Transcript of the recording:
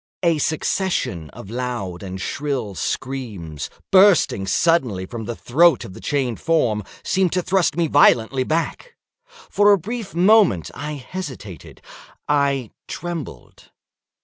A succession of loud and shrill screams, bursting suddenly from the throat of the chained form, seemed to thrust me violently back. For a brief moment I hesitated—I trembled.